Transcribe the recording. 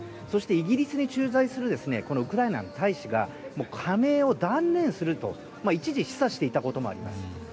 そして、イギリスに駐在するウクライナの大使が加盟を断念すると、一時示唆していたこともあります。